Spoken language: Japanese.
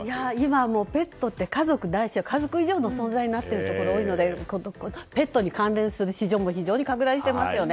今、ペットは家族ないし家族以上の存在になっているところが多いのでペットに関連する市場も非常に拡大してますよね。